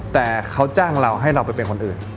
แต่เขาจ้างเราให้เราไปเป็นคนอื่น